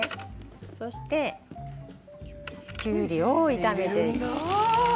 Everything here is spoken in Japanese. そして、きゅうりを炒めていきます。